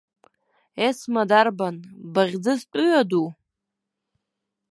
Есма дарбан, баӷь-ӡыс тәыҩадуу?